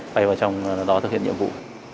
bay vào trong đó thực hiện nhiệm vụ